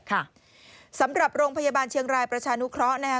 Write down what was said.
สำหรับโรงพยาบาลเชียงรายประชานุเคราะห์นะคะ